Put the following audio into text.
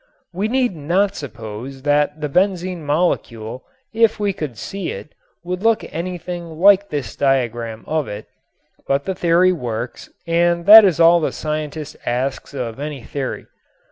We need not suppose that the benzene molecule if we could see it would look anything like this diagram of it, but the theory works and that is all the scientist asks of any theory.